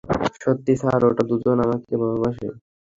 সত্যিই স্যার ওরা দুজনও আমাকে ভালোবাসে।